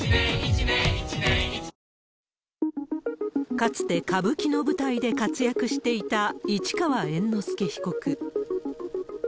かつて、歌舞伎の舞台で活躍していた市川猿之助被告。